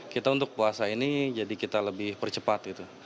kita untuk puasa ini jadi kita lebih percepat gitu